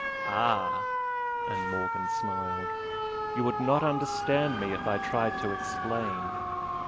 "Ah!" and Morgana smiled "You would not understand me if I tried to explain!